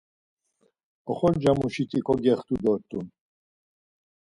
Oxorcamuşiti kogextu dort̆un.